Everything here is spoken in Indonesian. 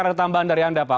ada tambahan dari anda pak